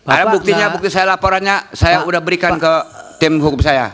ada buktinya bukti saya laporannya saya sudah berikan ke tim hukum saya